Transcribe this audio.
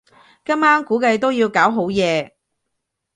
今晚估計都要搞好夜